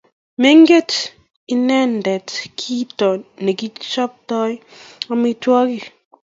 maingen inendet kito ne kichoptoi amitwogik